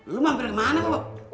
lu mampir kemana pak